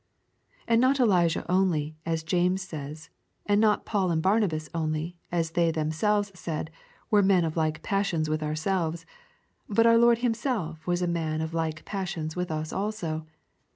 And not Elijah only, as James says, and not Paul and Barnabas only, as they themselves said, were men of like passions with ourselves, but our Lord Himself was a man of like passions with us also.